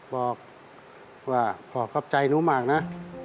บอกว่าพ่อขอบใจหนูมากนะ